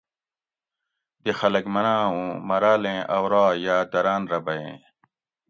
دی خلک مناۤں اوں مراۤل ایں اوراح یا دراۤن رہ بئیں